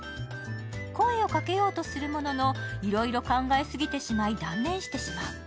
声をかけようとするものの、いろいろ考えすぎてしまい断念してしまう。